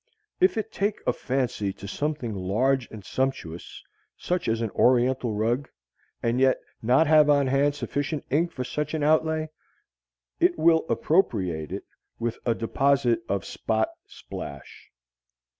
If it take a fancy to something large and sumptuous, such as an oriental rug, and yet not have on hand sufficient ink for such an outlay, it will appropriate it with a deposit of spot splash.